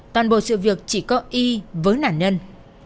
toàn bộ sự việc chỉ có y với nạn nhân